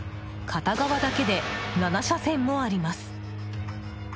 片側だけで７車線もあります。